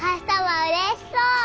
うれしそう。